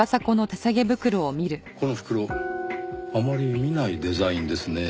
この袋あまり見ないデザインですねぇ。